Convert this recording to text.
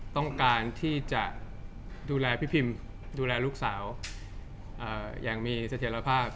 ต้องการที่จะดูแลพี่พิมดูแลลูกสาวอย่างมีเสถียรภาพ